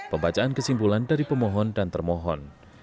pembacaan kesimpulan dari pemohon dan termohon